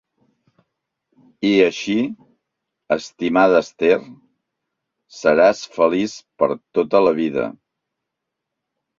I així, estimada Esther, seràs feliç per a tota la vida.